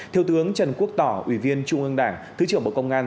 thiếu tướng trần quốc tỏ ủy viên trung ương đảng thứ trưởng bộ công an